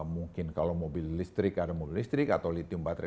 mungkin kalau mobil listrik ada mobil listrik atau lithium baterai